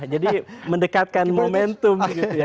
jadi mendekatkan momentum